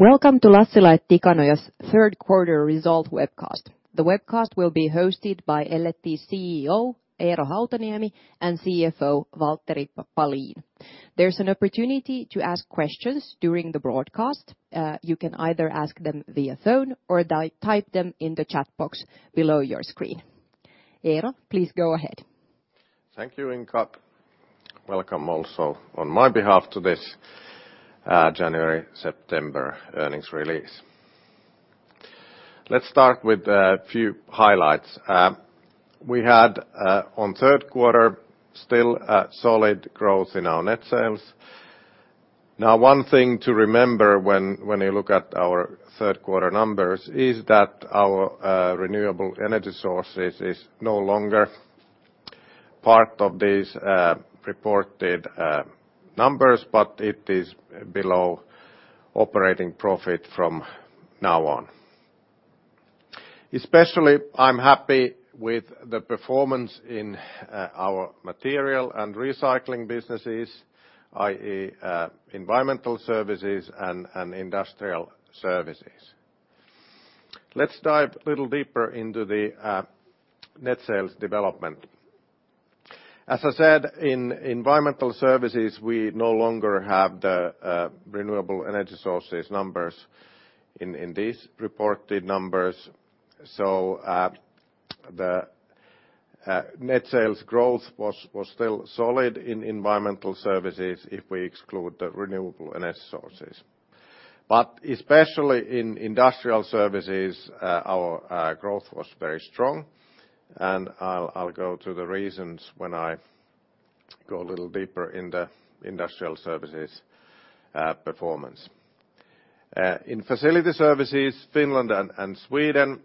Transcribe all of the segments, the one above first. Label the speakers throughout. Speaker 1: Welcome to Lassila & Tikanoja's Third Quarter Result Webcast. The webcast will be hosted by L&T CEO, Eero Hautaniemi, and CFO, Valtteri Palin. There's an opportunity to ask questions during the broadcast. You can either ask them via phone or type them in the chat box below your screen. Eero, please go ahead.
Speaker 2: Thank you, Inka. Welcome also on my behalf to this January-September earnings release. Let's start with a few highlights. We had on third quarter still a solid growth in our net sales. Now, one thing to remember when you look at our third quarter numbers is that our renewable energy sources is no longer part of these reported numbers, but it is below operating profit from now on. Especially, I'm happy with the performance in our material and recycling businesses, i.e., environmental services and industrial services. Let's dive a little deeper into the net sales development. As I said, in environmental services, we no longer have the renewable energy sources numbers in these reported numbers. The net sales growth was still solid in environmental services if we exclude the renewable energy sources. Especially in Industrial Services, our growth was very strong and I'll go to the reasons when I go a little deeper in the Industrial Services performance. In Facility Services, Finland and Sweden,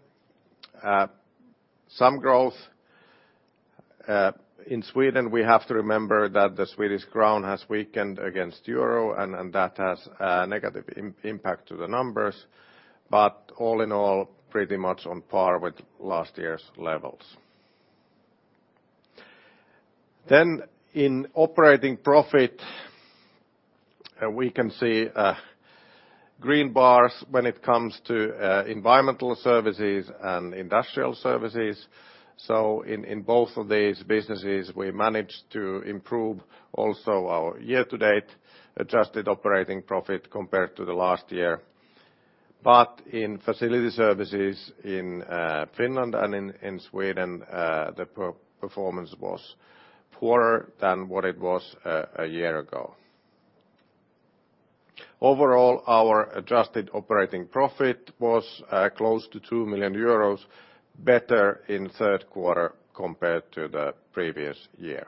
Speaker 2: some growth. In Sweden, we have to remember that the Swedish crown has weakened against euro, and that has a negative impact to the numbers. All in all, pretty much on par with last year's levels. In operating profit, we can see green bars when it comes to Environmental Services and Industrial Services. In both of these businesses, we managed to improve also our year to date adjusted operating profit compared to the last year. In Facility Services in Finland and in Sweden, the performance was poorer than what it was a year ago. Overall, our adjusted operating profit was close to 2 million euros, better in third quarter compared to the previous year.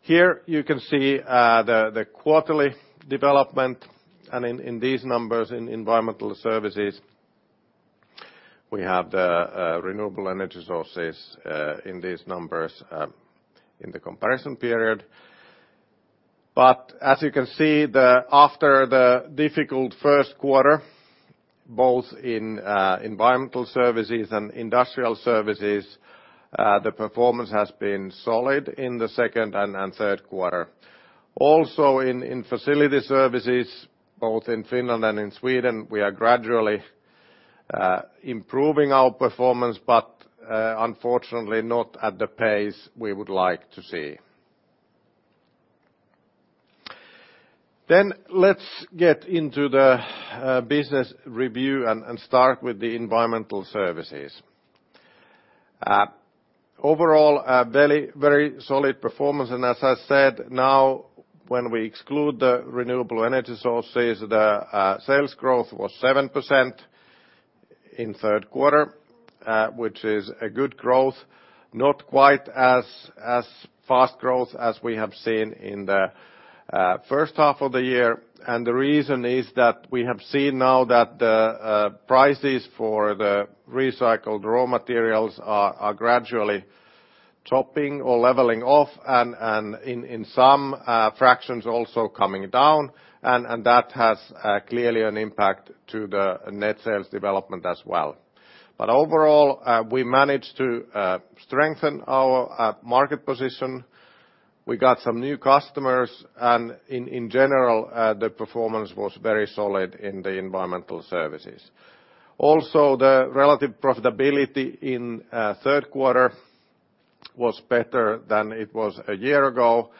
Speaker 2: Here you can see the quarterly development. In these numbers, in Environmental Services, we have the renewable energy sources in these numbers in the comparison period. As you can see, after the difficult first quarter, both in Environmental Services and Industrial Services, the performance has been solid in the second and third quarter. Also in Facility Services, both in Finland and in Sweden, we are gradually improving our performance, but unfortunately not at the pace we would like to see. Let's get into the business review and start with the Environmental Services. Overall, a very, very solid performance. As I said, now, when we exclude the renewable energy sources, the sales growth was 7% in third quarter, which is a good growth, not quite as fast growth as we have seen in the first half of the year. The reason is that we have seen now that the prices for the recycled raw materials are gradually topping or leveling off and in some fractions also coming down. That has clearly an impact to the net sales development as well. Overall, we managed to strengthen our market position. We got some new customers, and in general, the performance was very solid in the environmental services. Also, the relative profitability in third quarter was better than it was a year ago.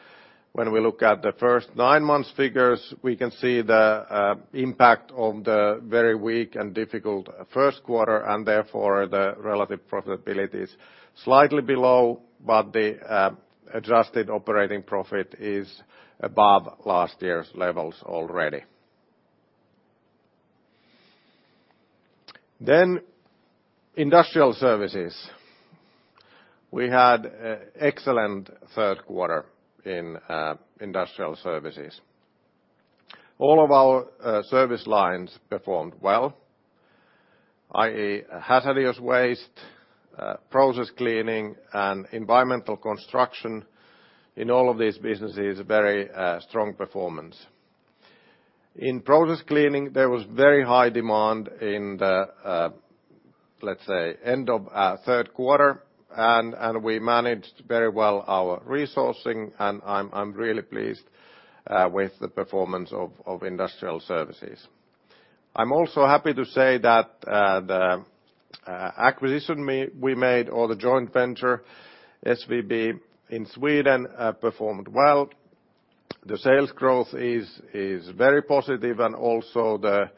Speaker 2: When we look at the first nine months figures, we can see the impact of the very weak and difficult first quarter, and therefore, the relative profitability is slightly below, but the adjusted operating profit is above last year's levels already. Industrial Services. We had an excellent third quarter in Industrial Services. All of our service lines performed well, i.e., hazardous waste, process cleaning, and environmental construction. In all of these businesses, very strong performance. In process cleaning, there was very high demand in the, let's say, end of third quarter, and we managed very well our resourcing, and I'm really pleased with the performance of Industrial Services. I'm also happy to say that the acquisition we made or the joint venture, SVB in Sweden, performed well. The sales growth is very positive and also the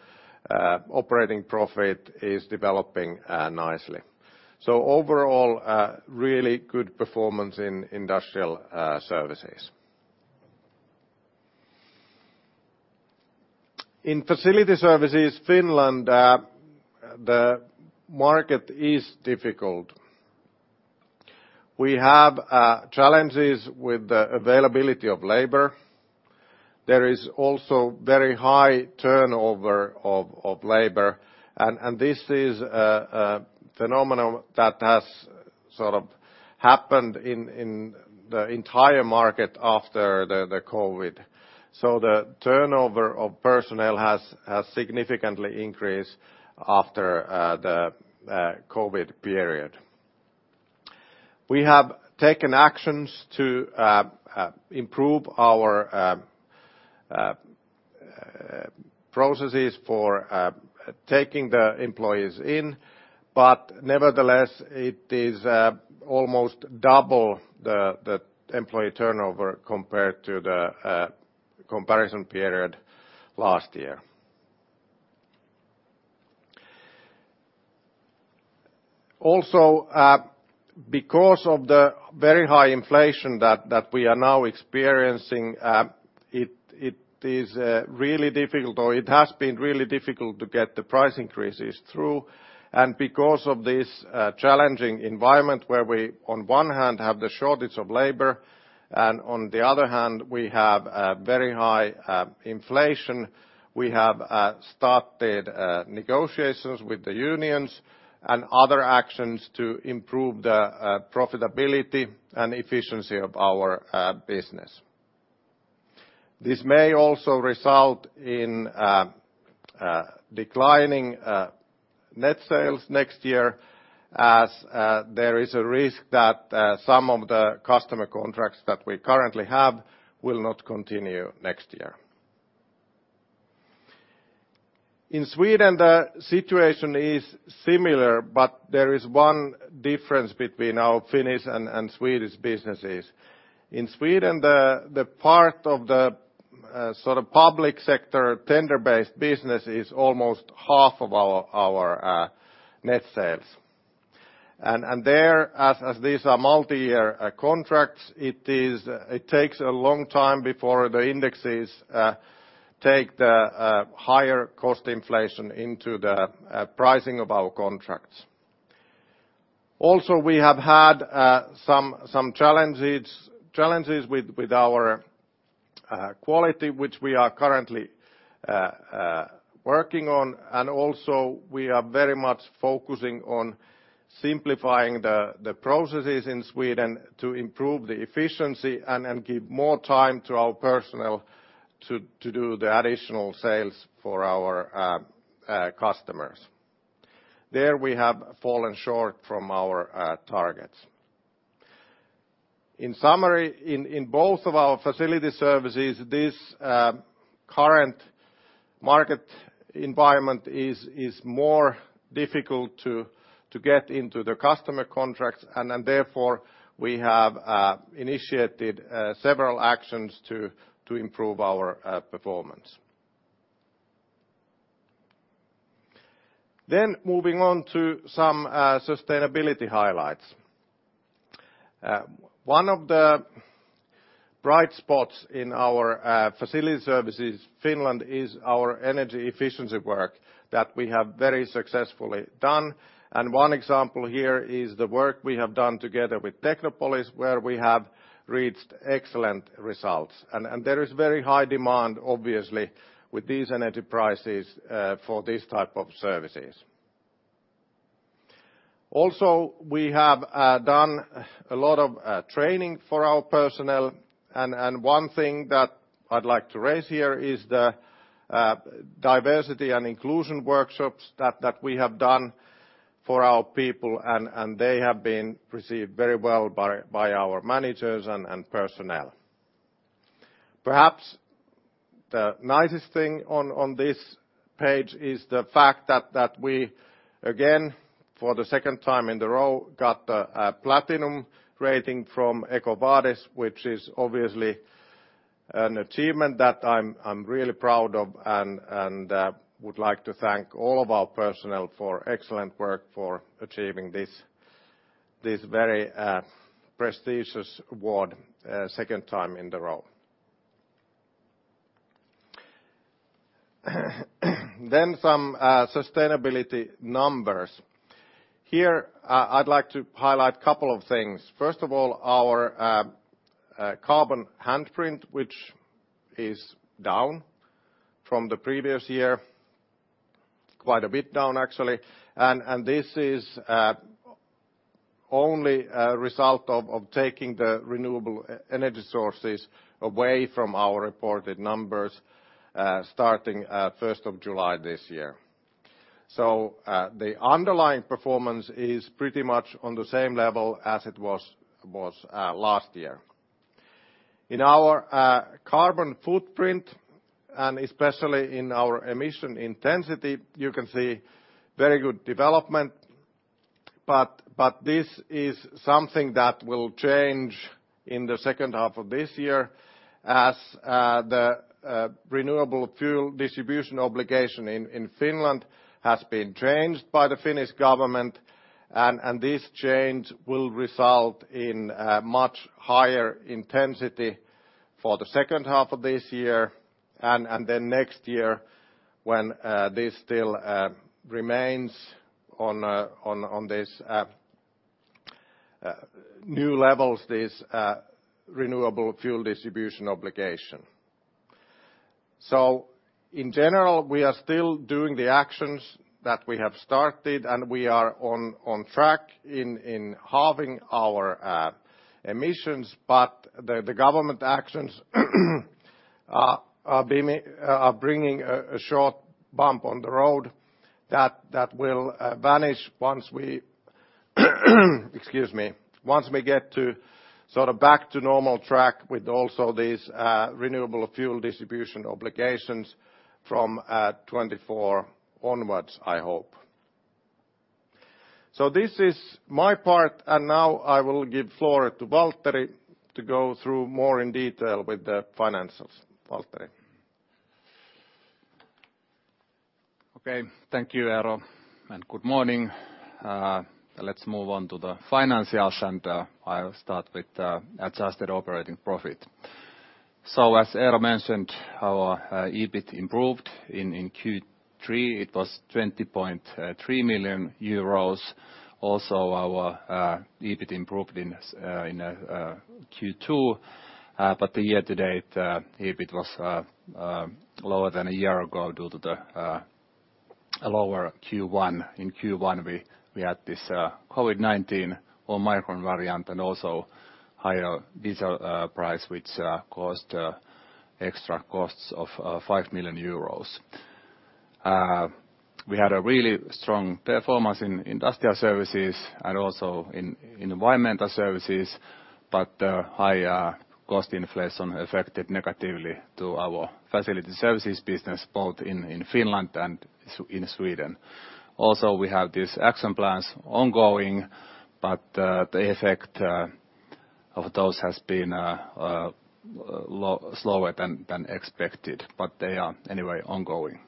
Speaker 2: operating profit is developing nicely. Overall, really good performance in Industrial Services. In Facility Services, Finland, the market is difficult. We have challenges with the availability of labor. There is also very high turnover of labor, and this is a phenomenon that has sort of happened in the entire market after the COVID. The turnover of personnel has significantly increased after the COVID period. We have taken actions to improve our processes for taking the employees in, but nevertheless, it is almost double the employee turnover compared to the comparison period last year. Also, because of the very high inflation that we are now experiencing, it is really difficult or it has been really difficult to get the price increases through, and because of this, challenging environment where we on one hand have the shortage of labor, and on the other hand, we have a very high inflation, we have started negotiations with the unions and other actions to improve the profitability and efficiency of our business. This may also result in declining net sales next year as there is a risk that some of the customer contracts that we currently have will not continue next year. In Sweden, the situation is similar, but there is one difference between our Finnish and Swedish businesses. In Sweden, the part of the sort of public sector tender-based business is almost half of our net sales. There, as these are multi-year contracts, it takes a long time before the indexes take the higher cost inflation into the pricing of our contracts. Also, we have had some challenges with our quality, which we are currently working on. Also we are very much focusing on simplifying the processes in Sweden to improve the efficiency and give more time to our personnel to do the additional sales for our customers. There we have fallen short from our targets. In summary, in both of our Facility Services, this current market environment is more difficult to get into the customer contracts. Therefore, we have initiated several actions to improve our performance. Moving on to some sustainability highlights. One of the bright spots in our Facility Services Finland is our energy efficiency work that we have very successfully done. And there is very high demand, obviously, with these energy prices, for these type of services. Also, we have done a lot of training for our personnel. And one thing that I'd like to raise here is the diversity and inclusion workshops that we have done for our people. And they have been received very well by our managers and personnel. Perhaps the nicest thing on this page is the fact that we, again, for the second time in a row, got the platinum rating from EcoVadis, which is obviously an achievement that I'm really proud of and would like to thank all of our personnel for excellent work for achieving this very prestigious award a second time in a row. Some sustainability numbers. Here, I'd like to highlight a couple of things. First of all, our carbon handprint, which is down from the previous year. Quite a bit down, actually. This is only a result of taking the renewable energy sources away from our reported numbers, starting first of July this year. The underlying performance is pretty much on the same level as it was last year. In our carbon footprint, and especially in our emission intensity, you can see very good development. This is something that will change in the second half of this year as the renewable fuel distribution obligation in Finland has been changed by the Finnish government. This change will result in much higher intensity for the second half of this year and then next year when this still remains on this new levels, this renewable fuel distribution obligation. In general, we are still doing the actions that we have started, and we are on track in halving our emissions. The government actions are bringing a short bump on the road that will vanish once we Excuse me. Once we get to sort of back to normal track with also these, renewable fuel distribution obligations from 2024 onwards, I hope. This is my part, and now I will give floor to Valtteri to go through more in detail with the financials. Valtteri?
Speaker 3: Okay. Thank you, Eero, and good morning. Let's move on to the financials, and I'll start with adjusted operating profit. As Eero mentioned, our EBIT improved in Q3. It was 20.3 million euros. Also, our EBIT improved in Q2. The year-to-date EBIT was lower than a year ago due to the lower Q1. In Q1, we had this COVID-19 Omicron variant and also higher diesel price, which caused extra costs of 5 million euros. We had a really strong performance in industrial services and also in environmental services, but the high cost inflation affected negatively to our facility services business both in Finland and in Sweden. Also, we have these action plans ongoing, but the effect of those has been slower than expected. They are, anyway, ongoing.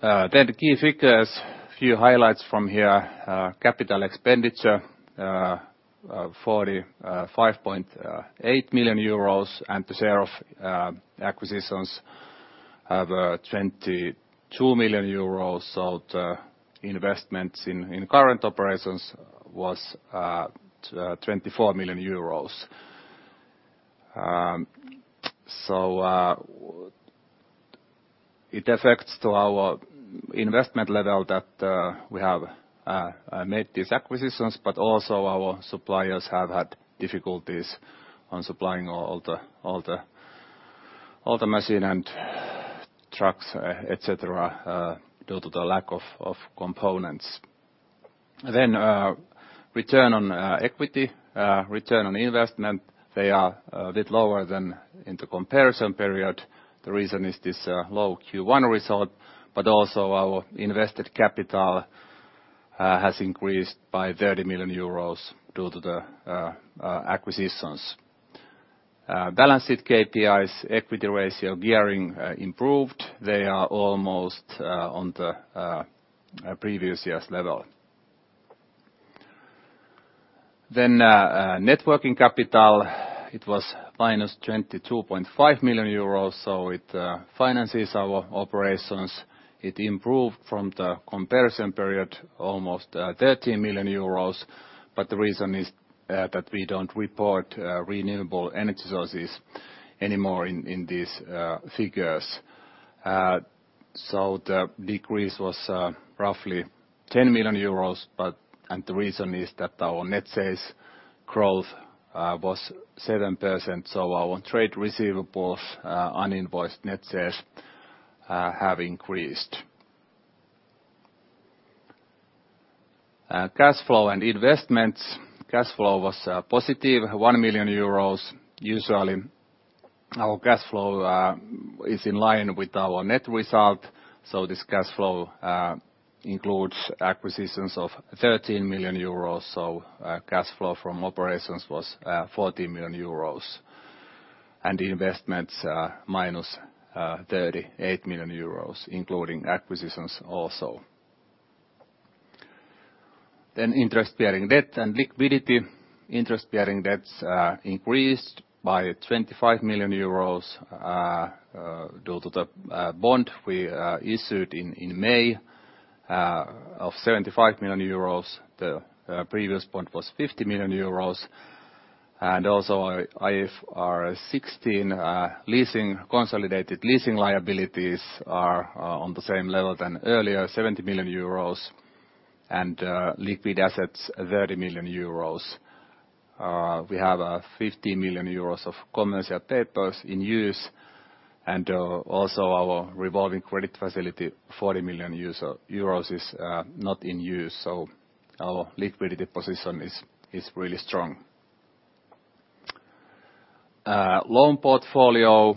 Speaker 3: The key figures, few highlights from here. Capital expenditure 45.8 million euros, and the share of acquisitions of 22 million euros. The investments in current operations was 24 million euros. It affects to our investment level that we have made these acquisitions, but also our suppliers have had difficulties on supplying all the machines and trucks, etc., due to the lack of components. Return on equity, return on investment, they are a bit lower than in the comparison period. The reason is this low Q1 result, but also our invested capital has increased by 30 million euros due to the acquisitions. Balance sheet KPIs, equity ratio, gearing improved. They are almost on the previous year's level. Net working capital was -22.5 million euros, so it finances our operations. It improved from the comparison period almost 13 million euros, but the reason is that we don't report renewable energy sources anymore in these figures. The decrease was roughly 10 million euros, but the reason is that our net sales growth was 7%, so our trade receivables, uninvoiced net sales have increased. Cash flow and investments. Cash flow was positive 1 million euros. Usually, our cash flow is in line with our net result, so this cash flow includes acquisitions of 13 million euros. Cash flow from operations was 14 million euros. The investments are -38 million euros, including acquisitions also. Interest-bearing debt and liquidity. Interest-bearing debts increased by 25 million euros due to the bond we issued in May of 75 million euros. The previous point was 50 million euros. Also our IFRS 16 leasing consolidated leasing liabilities are on the same level than earlier, 70 million euros, and liquid assets, 30 million euros. We have 15 million euros of commercial papers in use, and also our revolving credit facility, 40 million euros is not in use. Our liquidity position is really strong. Loan portfolio,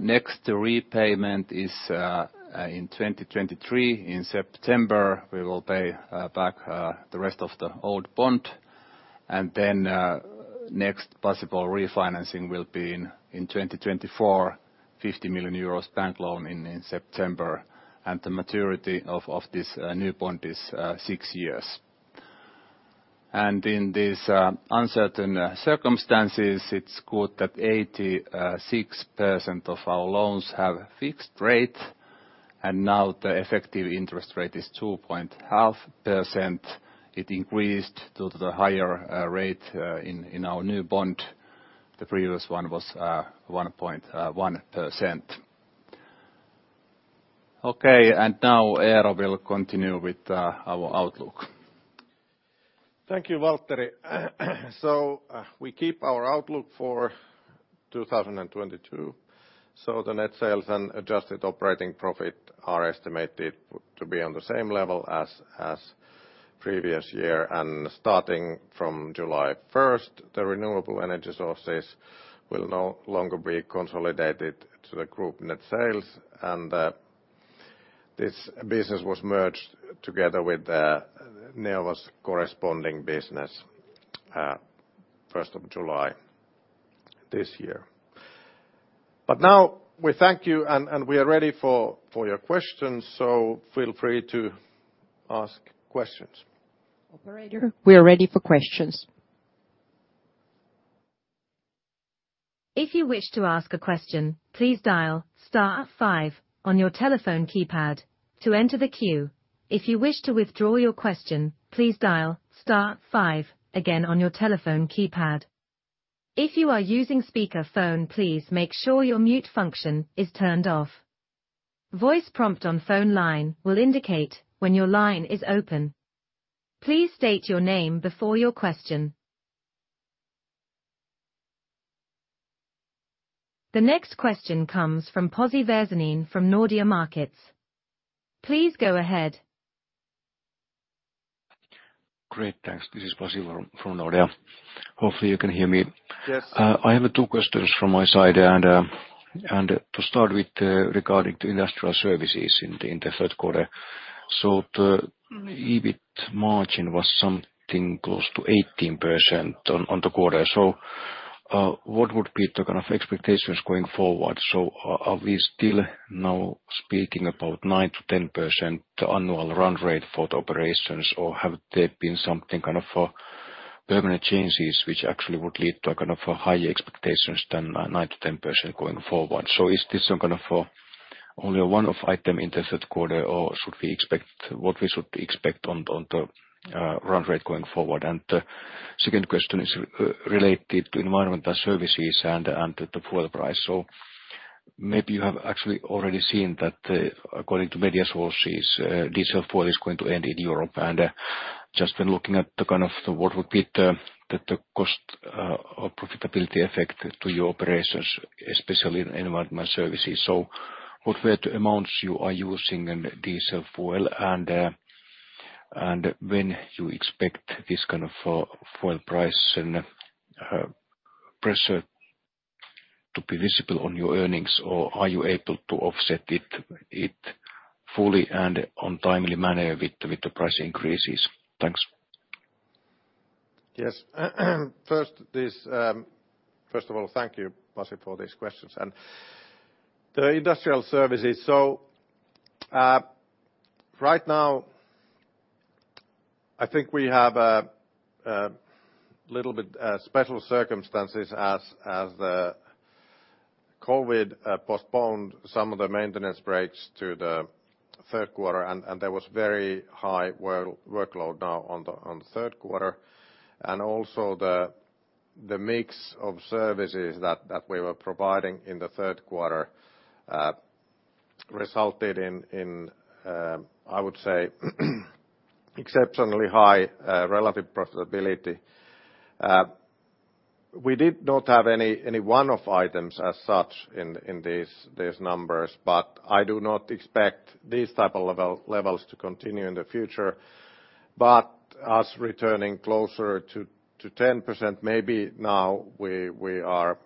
Speaker 3: next repayment is in 2023. In September, we will pay back the rest of the old bond. Next possible refinancing will be in 2024, 50 million euros bank loan in September. The maturity of this new bond is six years. In these uncertain circumstances, it's good that 86% of our loans have fixed rate, and now the effective interest rate is 2.5%. It increased due to the higher rate in our new bond. The previous one was 1.1%. Okay, now Eero will continue with our outlook.
Speaker 2: Thank you, Valtteri. We keep our outlook for 2022, the net sales and adjusted operating profit are estimated to be on the same level as previous year. Starting from July 1st, the renewable energy sources will no longer be consolidated to the group net sales. This business was merged together with Neova corresponding business first of July this year. But now we thank you and we are ready for your questions, so feel free to ask questions.
Speaker 1: Operator, we are ready for questions.
Speaker 4: If you wish to ask a question, please dial star five on your telephone keypad to enter the queue. If you wish to withdraw your question, please dial star five again on your telephone keypad. If you are using speakerphone, please make sure your mute function is turned off. Voice prompt on phone line will indicate when your line is open. Please state your name before your question. The next question comes from Pasi Väisänen from Nordea Markets. Please go ahead.
Speaker 5: Great. Thanks. This is Pasi from Nordea. Hopefully you can hear me.
Speaker 2: Yes.
Speaker 5: I have two questions from my side. To start with, regarding to Industrial Services in the third quarter. The EBIT margin was something close to 18% on the quarter. What would be the kind of expectations going forward? Are we still now speaking about 9%-10% annual run rate for the operations, or have there been something kind of permanent changes which actually would lead to a kind of higher expectations than 9%-10% going forward? Is this some kind of only a one-off item in the third quarter, or what should we expect on the run rate going forward? The second question is related to Environmental Services and the fuel price. Maybe you have actually already seen that, according to media sources, diesel fuel is going to end in Europe. Just when looking at the kind of what would be the cost or profitability effect to your operations, especially in Environmental Services. What were the amounts you are using in diesel fuel and when you expect this kind of fuel price and pressure to be visible on your earnings, or are you able to offset it fully and in timely manner with the price increases? Thanks.
Speaker 2: Yes. First of all, thank you, Pasi, for these questions. The industrial services, so right now, I think we have a little bit special circumstances as the COVID postponed some of the maintenance breaks to the third quarter, and there was very high workload now on the third quarter. Also the mix of services that we were providing in the third quarter resulted in, I would say, exceptionally high relative profitability. We did not have any one-off items as such in these numbers, but I do not expect these type of levels to continue in the future. We're returning closer to 10%, maybe now we are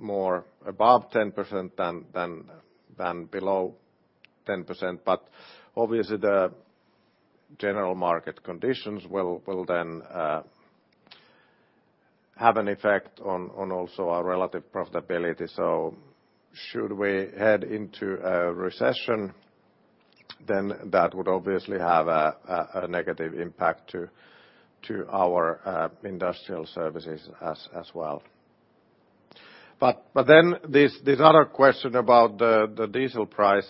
Speaker 2: more above 10% than below 10%. Obviously the general market conditions will then have an effect on also our relative profitability. Should we head into a recession, then that would obviously have a negative impact to our industrial services as well. This other question about the diesel price.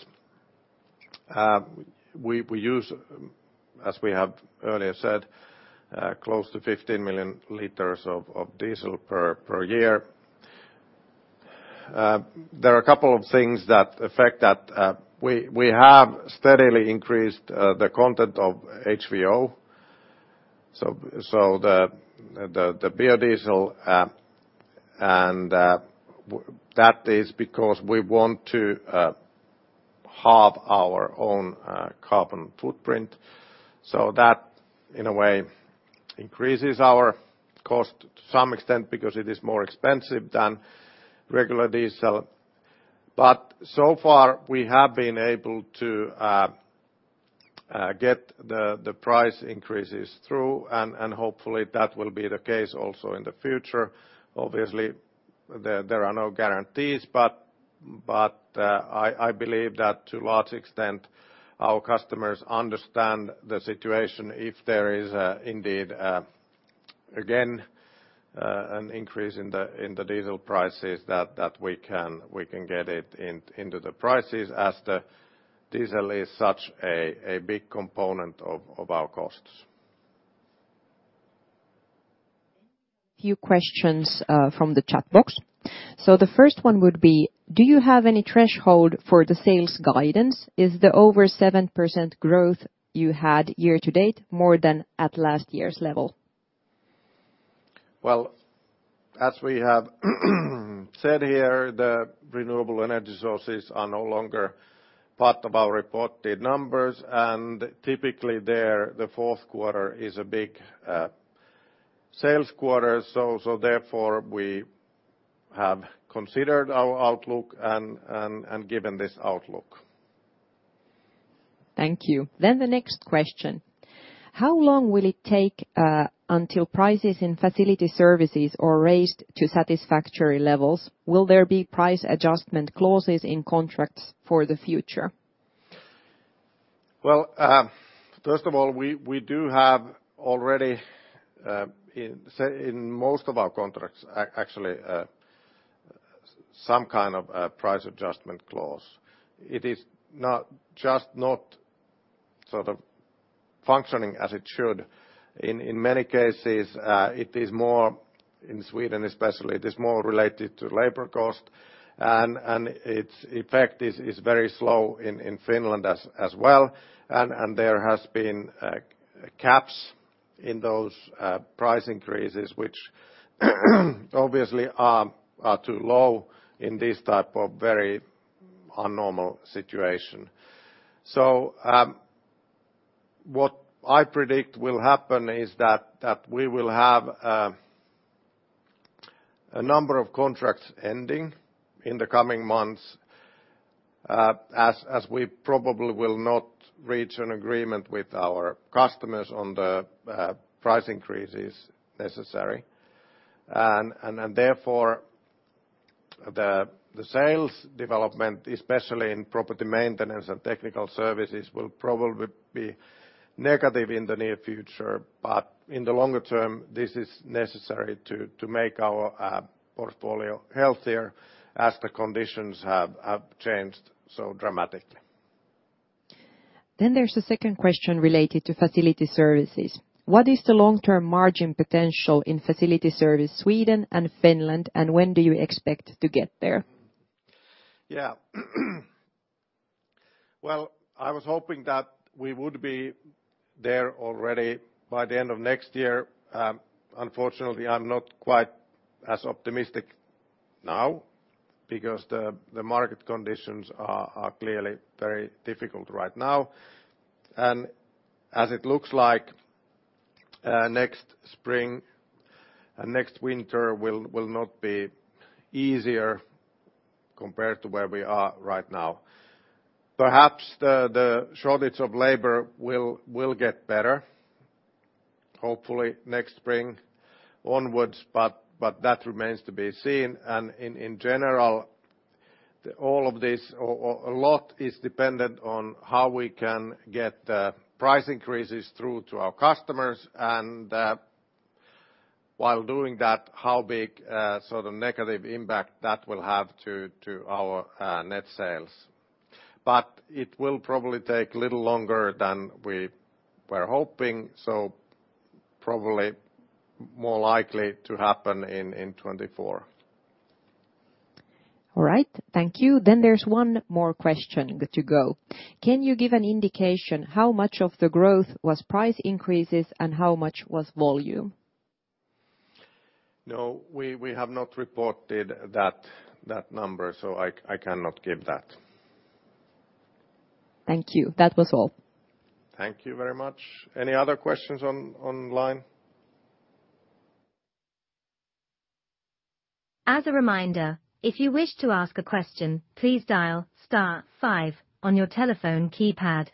Speaker 2: We use, as we have earlier said, close to 15 million liters of diesel per year. There are a couple of things that affect that. We have steadily increased the content of HVO. The biodiesel, and that is because we want to halve our own carbon footprint. That, in a way, increases our cost to some extent because it is more expensive than regular diesel. So far we have been able to get the price increases through, and hopefully that will be the case also in the future. Obviously, there are no guarantees, but I believe that to a large extent our customers understand the situation if there is indeed again an increase in the diesel prices that we can get it into the prices as the diesel is such a big component of our costs.
Speaker 1: Few questions from the chat box. The first one would be: Do you have any threshold for the sales guidance? Is the over 7% growth you had year to date more than at last year's level?
Speaker 2: Well, as we have said here, the renewable energy sources are no longer part of our reported numbers. Typically there, the fourth quarter is a big sales quarter. Therefore, we have considered our outlook and given this outlook.
Speaker 1: Thank you. The next question: How long will it take until prices in Facility Services are raised to satisfactory levels? Will there be price adjustment clauses in contracts for the future?
Speaker 2: Well, first of all, we do have already in most of our contracts actually some kind of a price adjustment clause. It is not just not sort of functioning as it should. In many cases, it is more related to labor cost in Sweden especially, and its effect is very slow in Finland as well. There has been caps in those price increases, which obviously are too low in this type of very abnormal situation. What I predict will happen is that we will have a number of contracts ending in the coming months, as we probably will not reach an agreement with our customers on the price increases necessary. Therefore the sales development, especially in property maintenance and technical services, will probably be negative in the near future. In the longer term, this is necessary to make our portfolio healthier as the conditions have changed so dramatically.
Speaker 1: There's a second question related to Facility Services. What is the long-term margin potential in Facility Services Sweden and Finland, and when do you expect to get there?
Speaker 2: Yeah. Well, I was hoping that we would be there already by the end of next year. Unfortunately, I'm not quite as optimistic now because the market conditions are clearly very difficult right now. As it looks like, next spring and next winter will not be easier compared to where we are right now. Perhaps the shortage of labor will get better, hopefully next spring onwards, but that remains to be seen. In general, all of this or a lot is dependent on how we can get price increases through to our customers and while doing that, how big sort of negative impact that will have to our net sales. It will probably take a little longer than we were hoping, so probably more likely to happen in 2024.
Speaker 1: All right. Thank you. There's one more question to go. Can you give an indication how much of the growth was price increases and how much was volume?
Speaker 2: No, we have not reported that number, so I cannot give that.
Speaker 1: Thank you. That was all.
Speaker 2: Thank you very much. Any other questions online?
Speaker 4: As a reminder, if you wish to ask a question, please dial star five on your telephone keypad.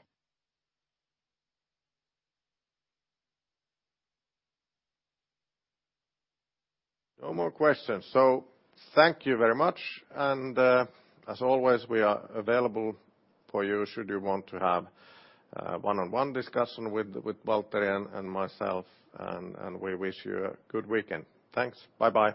Speaker 2: No more questions. Thank you very much. As always, we are available for you should you want to have one-on-one discussion with Valtteri and myself. We wish you a good weekend. Thanks. Bye-bye.